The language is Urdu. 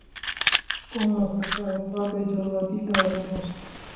کون لا سکتا ہے تابِ جلوۂ دیدارِ دوست